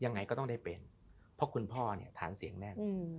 ยังไงก็ต้องได้เป็นเพราะคุณพ่อเนี่ยฐานเสียงแน่น